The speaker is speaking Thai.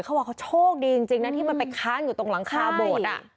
เขาว่าเขาโชคดีจริงจริงนะที่มันไปค้านอยู่ตรงหลังคาโบดอ่ะ